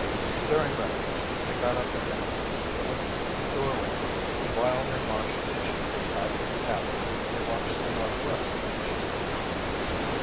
During breakfast they got up at intervals to look through the doorway, and while they washed dishes and tidied the cabin they watched the northwest anxiously.